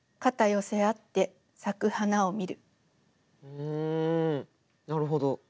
うんなるほど。